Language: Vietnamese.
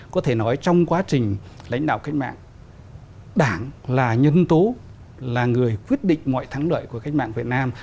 có thể nói trong quá trình lãnh đạo cách mạng đảng là nhân tố là người quyết định mọi thắng lợi của cách mạng việt nam